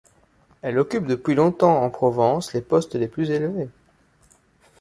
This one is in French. Elle occupe depuis longtemps en Provence les postes les plus élevés.